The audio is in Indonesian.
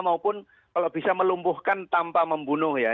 maupun kalau bisa melumpuhkan tanpa membunuh ya